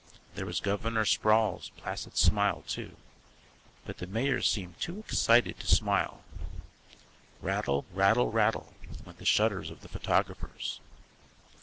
There was Governor Sproul's placid smile, too, but the Mayor seemed too excited to smile. Rattle, rattle, rattle went the shutters of the photographers.